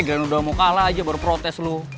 jangan udah mau kalah aja baru protes lo